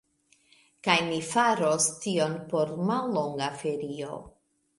Kaj ni faros tion por mallonga ferio.